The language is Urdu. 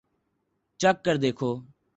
چکھ کر دیکھو